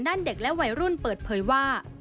เด็กและวัยรุ่นเปิดเผยว่า